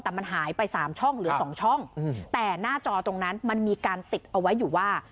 แต่มันหายไปสามช่องเหลือ๒ช่องแต่หน้าจอตรงนั้นมันมีการติดเอาไว้อยู่ว่า